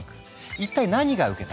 一体何が受けたのか。